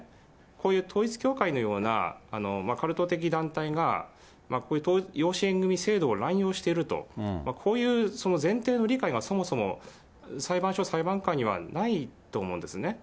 こういう統一教会のようなカルト的団体が、養子縁組制度を乱用していると、こういう前提の理解がそもそも裁判所、裁判官にはないと思うんですね。